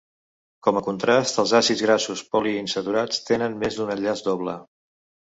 Com a contrast els àcids grassos poliinsaturats tenen més d'un enllaç doble.